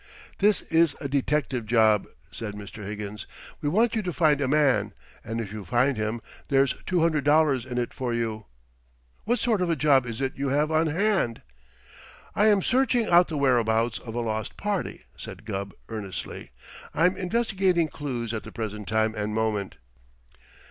"This is a detective job," said Mr. Higgins. "We want you to find a man, and if you find him, there's two hundred dollars in it for you. What sort of a job is it you have on hand?" "I am searching out the whereabouts of a lost party," said Gubb earnestly. "I'm investigating clues at the present time and moment."